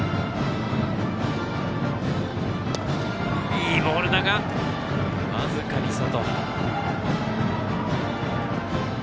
いいボールだが、僅かに外。